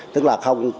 tức là không